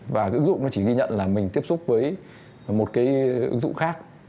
và ứng dụng nó chỉ ghi nhận là mình tiếp xúc với một cái ứng dụng khác